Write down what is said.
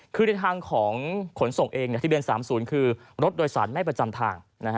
คือในทางของขนส่งเองทะเบียน๓๐คือรถโดยสารไม่ประจำทาง